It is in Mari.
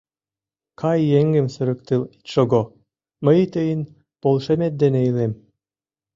Кай, еҥым сырыктыл ит шого: мый тыйын полшымет дене илем!